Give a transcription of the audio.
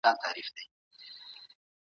او منګولي ژبو قاموسونه هم سته.